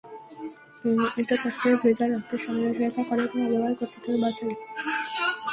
এটা ত্বককে ভেজা ভেজা রাখতে সহায়তা করে এবং আবহাওয়ার ক্ষতি থেকে বাঁচায়।